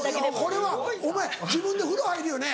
これはお前自分で風呂入るよね。